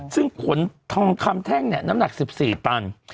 ซึ่งขนทองคำแท่งเนี่ยน้ำหนัก๑๔ตัน